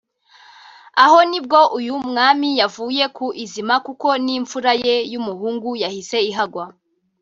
aho ni bwo uyu mwami yavuye ku izima kuko n’imfura ye y’umuhungu yahise ihagwa